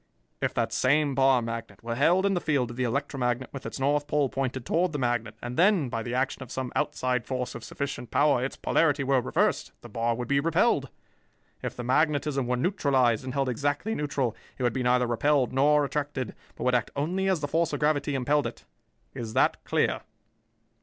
"If that same bar magnet were held in the field of the electromagnet with its north pole pointed toward the magnet and then, by the action of some outside force of sufficient power, its polarity were reversed, the bar would be repelled. If the magnetism were neutralized and held exactly neutral, it would be neither repelled nor attracted, but would act only as the force of gravity impelled it. Is that clear?"